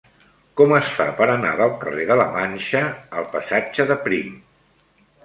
Com es fa per anar del carrer de la Manxa al passatge de Prim?